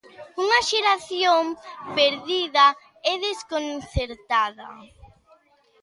Unha xeración perdida e desconcertada.